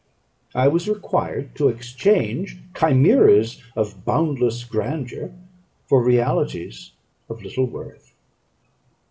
I was required to exchange chimeras of boundless grandeur for realities of little worth.